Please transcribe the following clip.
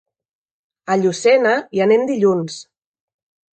A Llucena hi anem dilluns.